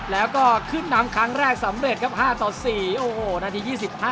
แล้วก็ขึ้นนำครั้งแรกสำเร็จครับ๕ต่อ๔โอ้โหนาที๒๕